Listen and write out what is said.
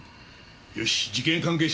よし事件関係者